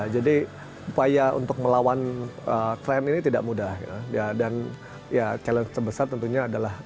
jadi upaya untuk melawan krim ini tidak mudah dan challenge terbesar tentunya adalah infrastruktur